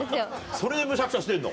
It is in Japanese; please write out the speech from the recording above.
それでむしゃくしゃしてるの？